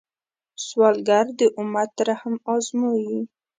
سوالګر د امت رحم ازمويي